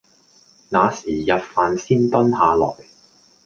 那時日飯先蹲下來